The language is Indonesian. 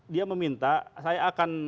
dia meminta saya akan